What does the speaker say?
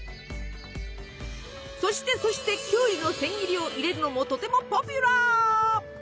そしてそしてきゅうりの千切りを入れるのもとてもポピュラー！